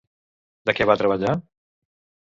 De què va treballar?